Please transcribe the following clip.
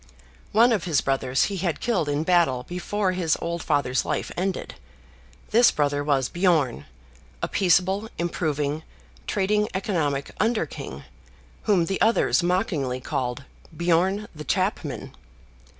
One of his brothers he had killed in battle before his old father's life ended; this brother was Bjorn, a peaceable, improving, trading economic Under king, whom the others mockingly called "Bjorn the Chapman."